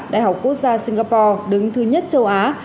đại học quốc gia singapore đứng thứ nhất châu á